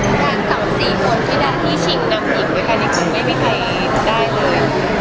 แต่ต่อสี่คนที่ได้ที่ชิ้นน้ำหญิงด้วยก็คงไม่มีใครได้เลย